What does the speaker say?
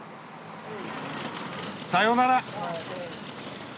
さよなら。